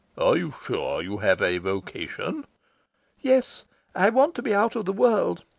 "Are you sure you have a vocation?" "Yes. I want to be out of the world.